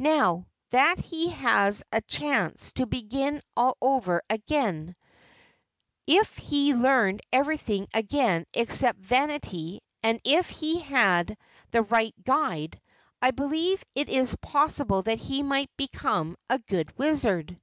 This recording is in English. Now that he has a chance to begin all over again, if he learned everything again except vanity and if he had the right guide, I believe it is possible that he might become a good wizard."